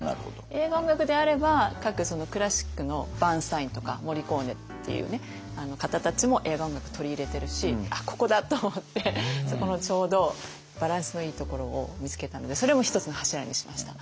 映画音楽であれば各クラシックのバーンスタインとかモリコーネっていう方たちも映画音楽取り入れてるしここだ！と思ってそこのちょうどバランスのいいところを見つけたのでそれも一つの柱にしました。